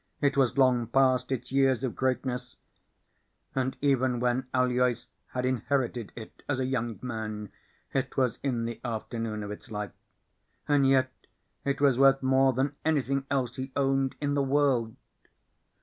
It was long past its years of greatness, and even when Aloys had inherited it as a young man it was in the afternoon of its life. And yet it was worth more than anything else he owned in the world.